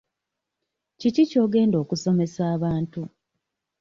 Kiki ky'ogenda okusomesa abantu?